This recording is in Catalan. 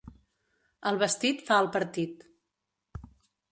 El vestit fa el partit.